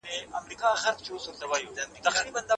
ژوند په هيله تېرېږي.